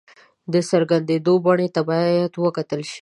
د څرګندېدو بڼې ته باید وکتل شي.